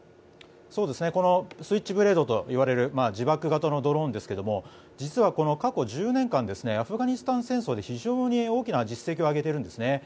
スイッチブレードといわれる自爆型のドローンですが実はこの過去１０年間アフガニスタン戦争で非常に大きな実績を上げているんです。